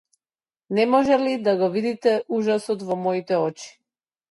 Не може ли да го види ужасот во моите очи?